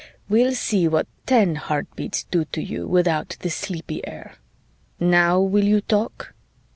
We'll see what ten heartbeats do to you without the sleepy air. Now will you talk?"